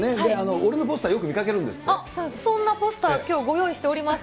俺のポスターよくそんなポスター、きょうご用意しております。